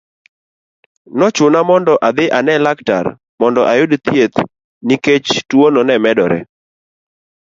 Nochuna mondo adhi ane laktar, mondo ayud thieth nikech tuono ne medore.